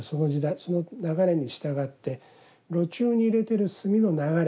その流れに従って炉中に入れてる炭の流れ